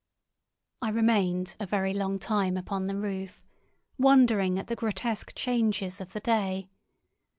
I remained a very long time upon the roof, wondering at the grotesque changes of the day.